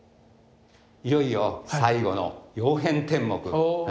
いよいよ最後の「曜変天目」。